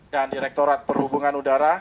dan direktorat perhubungan udara